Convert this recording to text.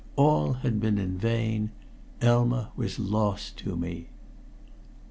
All had been in vain. Elma was lost to me.